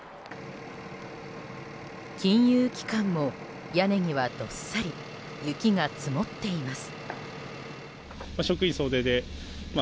金融機関も屋根にはどっさり雪が積もっています。